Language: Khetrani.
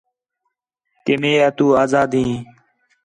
کہ میوا تو آزاد ہیں